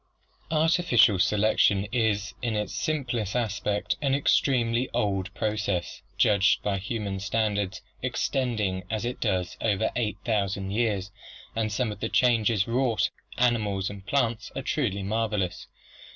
Artificial selection is, in its simplest aspect, an extremely old process, judged by human standards, extending as it does over eight thousand years, and some of the changes wrought among animals and plants are truly marvelous.